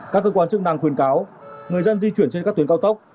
các cơ quan chức năng khuyên cáo người dân di chuyển trên các tuyến cao tốc